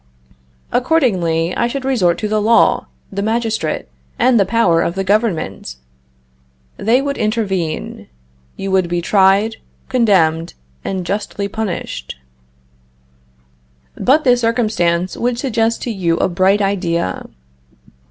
Accordingly, I should resort to the law, the magistrate, and the power of the government. They would intervene. You would be tried, condemned, and justly punished. But this circumstance would suggest to you a bright idea.